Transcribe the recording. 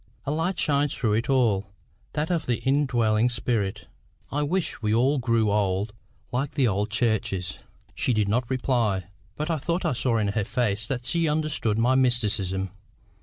A light shines through it all that of the indwelling spirit. I wish we all grew old like the old churches." She did not reply, but I thought I saw in her face that she understood my mysticism.